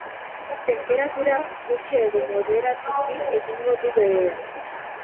Tenperaturak gutxi edo moderatuki egingo du behera.